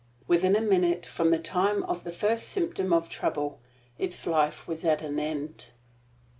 Within a minute from the time of the first symptom of trouble its life was at an end.